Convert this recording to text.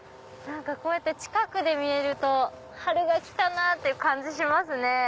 こうやって近くで見れると春が来たなぁって感じしますね。